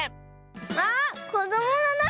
あっこどものな